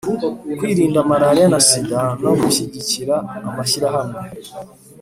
kwirinda malaria na sida no gushyigikira amashyirahamwe